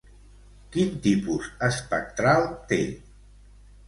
Quin tipus espectral té?